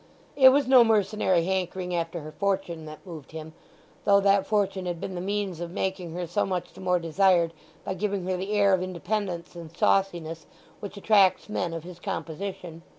It was no mercenary hankering after her fortune that moved him, though that fortune had been the means of making her so much the more desired by giving her the air of independence and sauciness which attracts men of his composition.